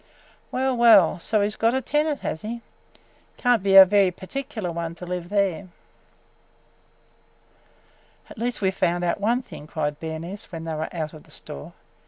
Well, well! So he 's got a tenant, has he? Can't be a very perticaler one to live there!" "At least we 've found out one thing!" cried Bernice when they were out of the store.